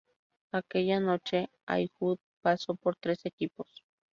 Aquella noche Haywood pasó por tres equipos.